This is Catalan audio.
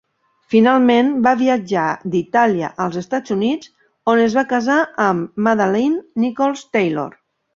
Finalment va viatjar d'Itàlia als Estats Units, on es va casar amb Madalyn Nichols Taylor.